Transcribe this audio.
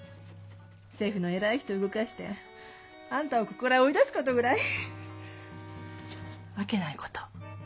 政府の偉い人動かしてあんたをここから追い出すことぐらいわけないこと。